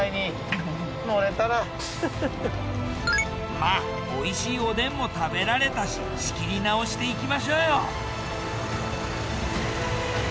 まあおいしいおでんも食べられたし仕切り直しでいきましょうよ。